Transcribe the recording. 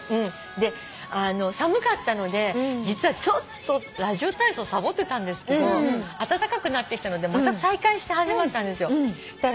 で寒かったので実はちょっとラジオ体操をサボってたんですけど暖かくなってきたのでまた再開し始めたんですよ。